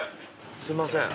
すいません。